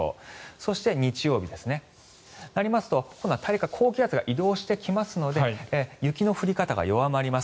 そうなりますと今度は高気圧が移動してきますので雪の降り方が弱まります。